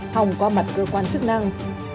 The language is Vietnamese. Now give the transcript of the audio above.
hòng qua mặt cơ quan chức năng